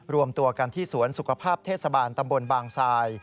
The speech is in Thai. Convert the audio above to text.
รวมตัวกันที่สวนสุขภาพเทศบาลตำบลบางทราย